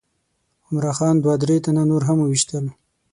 عمرا خان دوه درې تنه نور هم وویشتل.